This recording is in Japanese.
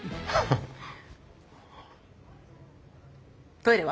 トイレは？